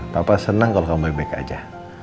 papa senang kalau kamu baik baik aja